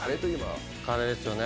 カレーですよね。